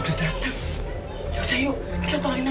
eh ternyata ada